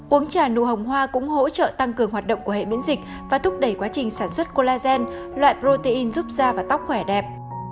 uống trà nụ hồng hoa cũng hỗ trợ tăng cường hoạt động của hệ miễn dịch và thúc đẩy quá trình sản xuất colagen loại protein giúp da và tóc khỏe đẹp